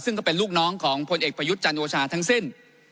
ซึ่งก็เป็นลูกน้องของพลเอกประยุทธ์จันโอชาทั้งสิ้น